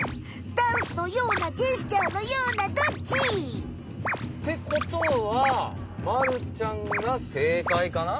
ダンスのようなジェスチャーのようなどっち？ってことはまるちゃんがせいかいかな？